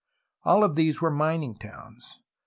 All of these were mining towns.